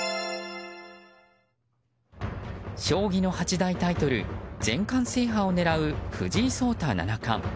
将棋の八大タイトル全冠制覇を狙う藤井聡太七冠。